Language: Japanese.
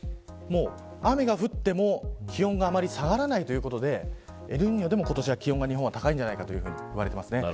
雨が降っても気温があまり下がらないということでエルニーニョでも今年は日本は気温が高いんじゃないかと言われています。